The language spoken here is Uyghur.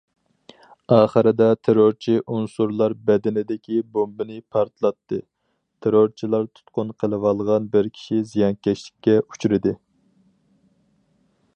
ئاخىردا تېررورچى ئۇنسۇرلار بەدىنىدىكى بومبىنى پارتلاتتى، تېررورچىلار تۇتقۇن قىلىۋالغان بىر كىشى زىيانكەشلىككە ئۇچرىدى.